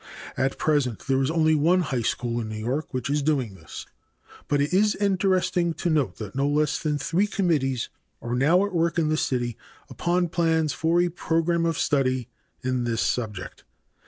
At present there is only one high school in New York which is doing this, but it is interesting to note that no less than three committees are now at work in that city upon plans for a program of study in this subject.